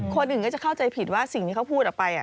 คนอื่นก็จะเข้าใจผิดว่าสิ่งที่เขาพูดออกไป